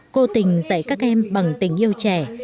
cô tình dạy các em bằng tình yêu trẻ